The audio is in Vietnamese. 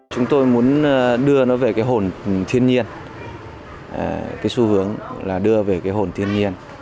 chúng tôi muốn đưa nó về cái hồn thiên nhiên cái xu hướng là đưa về cái hồn thiên nhiên